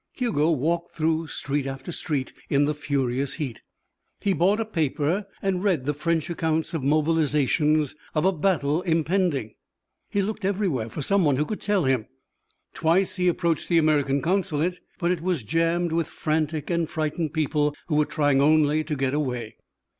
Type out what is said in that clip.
Hugo walked through street after street in the furious heat. He bought a paper and read the French accounts of mobilizations, of a battle impending. He looked everywhere for some one who could tell him. Twice he approached the American Consulate, but it was jammed with frantic and frightened people who were trying only to get away.